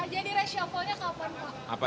jadi reshuffle nya kapan pak